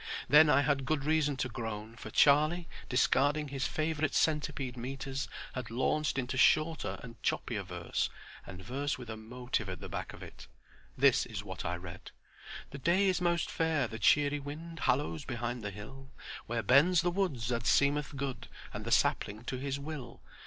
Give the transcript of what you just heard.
Then I had good reason to groan, for Charlie, discarding his favorite centipede metres, had launched into shorter and choppier verse, and verse with a motive at the back of it. This is what I read: "The day is most fair, the cheery wind Halloos behind the hill, Where bends the wood as seemeth good, And the sapling to his will!